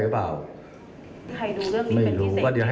รอถามกันหน่อย